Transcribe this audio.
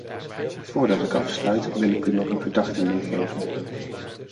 Voordat ik afsluit, wil ik u nog een gedachte meegeven.